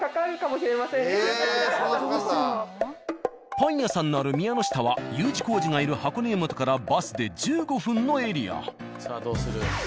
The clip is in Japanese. パン屋さんのある宮ノ下はＵ字工事がいる箱根湯本からさあどうする？